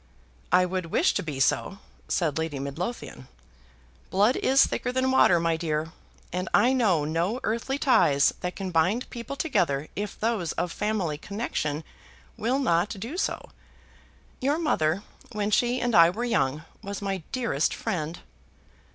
"I would wish to be so," said Lady Midlothian. "Blood is thicker than water, my dear; and I know no earthly ties that can bind people together if those of family connection will not do so. Your mother, when she and I were young, was my dearest friend."